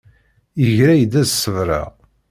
Yegra-yi-d ad ṣebṛeɣ.